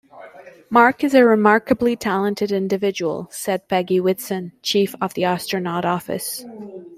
"Mark is a remarkably talented individual," said Peggy Whitson, Chief of the Astronaut Office.